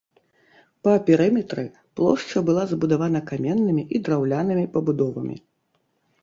Па перыметры плошча была забудавана каменнымі і драўлянымі пабудовамі.